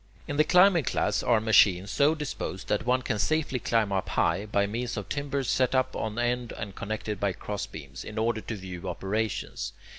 In the climbing class are machines so disposed that one can safely climb up high, by means of timbers set up on end and connected by crossbeams, in order to view operations.